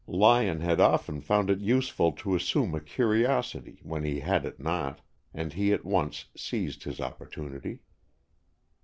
Lyon had often found it useful to assume a curiosity when he had it not, and he at once seized his opportunity.